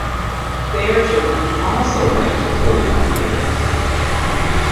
Their children can also rent it for forty-nine years.